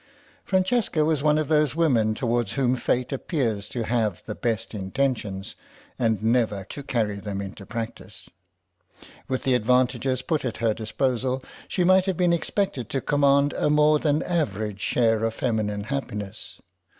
Francesca was one of those women towards whom Fate appears to have the best intentions and never to carry them into practice. With the advantages put at her disposal she might have been expected to command a more than average share of feminine happiness.